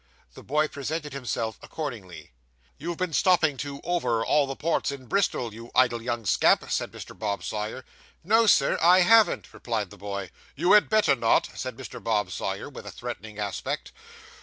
The boy presented himself accordingly. 'You've been stopping to "over" all the posts in Bristol, you idle young scamp!' said Mr. Bob Sawyer. 'No, sir, I haven't,' replied the boy. 'You had better not!' said Mr. Bob Sawyer, with a threatening aspect.